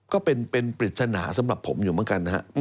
ก็เป็นปริศนาสำหรับผมอยู่เหมือนกันนะฮะ